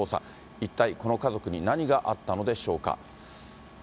一体この家族に何があったのでしょうか。